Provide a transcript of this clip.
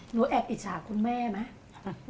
แอบอิจฉาคุณแม่ไหม